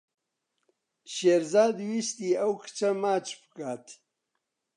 شێرزاد ویستی ئەو کچە ماچ بکات.